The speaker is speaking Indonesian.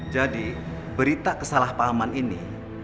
jadi berita kesalahpahaman ini